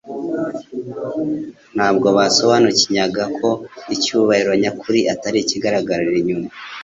Ntabwo basobanukinyaga ko icyubahiro nyakuri atari ikigaragarira inyuma.